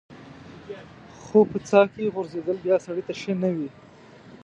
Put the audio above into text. خو په څاه کې غورځېدل بیا سړی ته ښه نه وي.